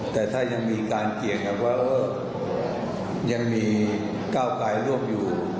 แต่ถ้ายังมีการเกี่ยงกันว่ายังมีก้าวไกลร่วมอยู่